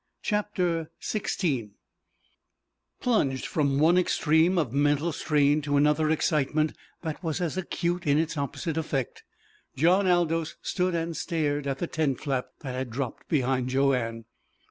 CHAPTER XVI Plunged from one extreme of mental strain to another excitement that was as acute in its opposite effect, John Aldous stood and stared at the tent flap that had dropped behind Joanne.